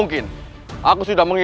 tidak ada yang menjaga